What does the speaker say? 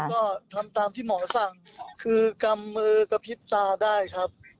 ก็ทำตามที่หมอสั่งคือกำมือกระพริบตาได้ครับ